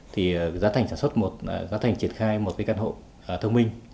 thì giá thành triển khai một cái căn hộ thông minh